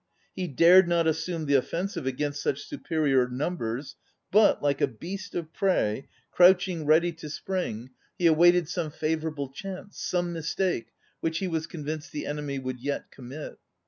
He dared not assume the offensive against such superior numbers, but, like a beast of prey, crouching ready 45 ON READING to spring, he awaited some favor able chance, some mistake, which he was convinced the enemy would yet commit.